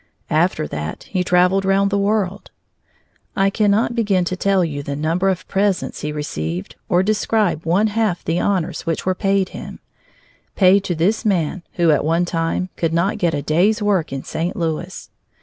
After that he traveled round the world. I cannot begin to tell you the number of presents he received or describe one half the honors which were paid him paid to this man who, at one time, could not get a day's work in St. Louis.